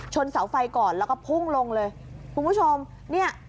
เสาไฟก่อนแล้วก็พุ่งลงเลยคุณผู้ชมเนี่ย